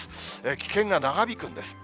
危険が長引くんです。